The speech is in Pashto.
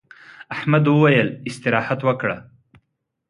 احمد وويل: استراحت وکړه.